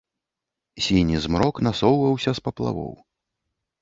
Сіні змрок насоўваўся з паплавоў.